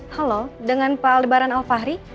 halo dengan pak lebaran alfahri